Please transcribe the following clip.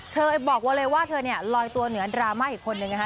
บอกว่าเลยว่าเธอเนี่ยลอยตัวเหนือดราม่าอีกคนนึงนะคะ